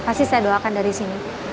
pasti saya doakan dari sini